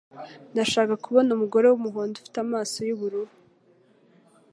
Ndashaka kubona umugore wumuhondo, ufite amaso yubururu